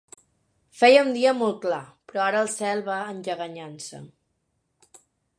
Feia un dia molt clar, però ara el cel va enlleganyant-se.